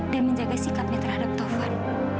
dan menjaga sikapnya terhadap taufan